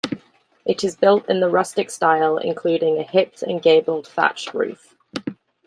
It is built in the rustic style, including a hipped and gabled, thatched roof.